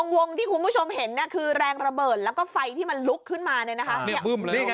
วงที่คุณผู้ชมเห็นคือแรงระเบิดแล้วก็ไฟที่มันลุกขึ้นมาเนี่ยนะคะ